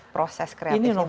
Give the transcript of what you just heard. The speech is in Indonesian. proses kreatifnya berapa lama